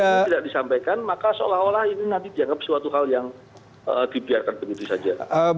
kalau tidak disampaikan maka seolah olah ini nanti dianggap suatu hal yang dibiarkan begitu saja